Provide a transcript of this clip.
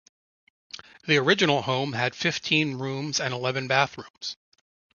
The original home had fifteen rooms and eleven bathrooms.